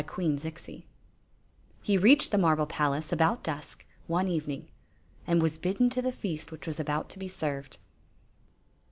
IJ7 Queen Zixi of Ix; or, the He reached the marble palace about dusk, one evening, and was bidden to the feast which was about to be served.